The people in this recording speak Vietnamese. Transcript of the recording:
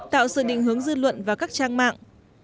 tạo sự định hướng dư luận vào các trang mạng